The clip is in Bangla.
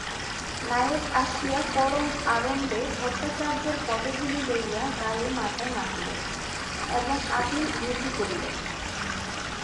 নায়েব আসিয়া পরম আড়ম্বরে ভট্টাচার্যের পদধূলি লইয়া গায়ে মাথায় মাখিল এবং আপিল রুজু করিল।